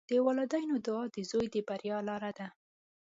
د والدینو دعا د زوی د بریا لاره ده.